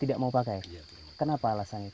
tidak mau pakai kenapa alasan itu